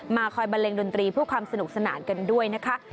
คอยบันเลงดนตรีเพื่อความสนุกสนานกันด้วยนะคะ